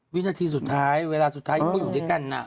วินาทีสุดท้ายเวลาสุดท้ายที่เขาอยู่ด้วยกัน